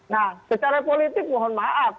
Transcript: nah secara politik mohon maaf